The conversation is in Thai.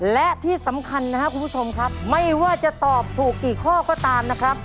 และที่สำคัญนะครับคุณผู้ชมครับไม่ว่าจะตอบถูกกี่ข้อก็ตามนะครับ